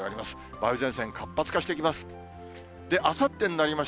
梅雨前線、活発化してきます。